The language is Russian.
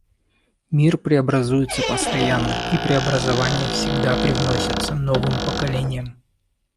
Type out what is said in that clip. Мир преобразуется постоянно, и преобразования всегда привносятся новым поколением.